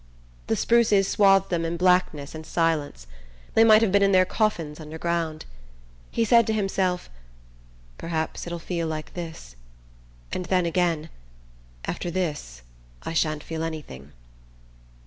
The spruces swathed them in blackness and silence. They might have been in their coffins underground. He said to himself: "Perhaps it'll feel like this..." and then again: "After this I sha'n't feel anything..."